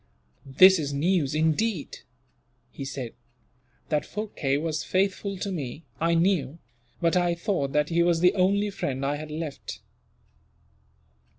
"This is news, indeed," he said. "That Phurkay was faithful to me, I knew; but I thought that he was the only friend I had left.